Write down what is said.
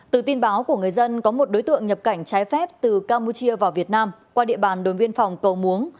từ tin báo của người dân có một đối tượng nhập cảnh trái phép từ campuchia vào việt nam qua địa bàn đồn biên phòng cầu muống